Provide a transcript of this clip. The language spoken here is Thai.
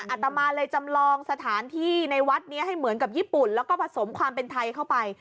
อาตมาเลยจำลองสถานที่ในวัดนี้ให้เหมือนกับญี่ปุ่นแล้วก็ผสมความเป็นไทยเข้าไป